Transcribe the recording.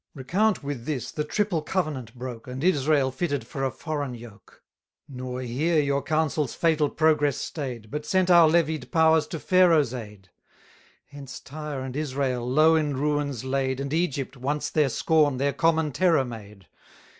Recount with this the triple covenant broke, And Israel fitted for a foreign yoke; Nor here your counsel's fatal progress stay'd, But sent our levied powers to Pharaoh's aid. Hence Tyre and Israel, low in ruins laid, 230 And Egypt, once their scorn, their common terror made.